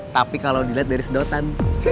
tapi kalau dilihat dari sedotan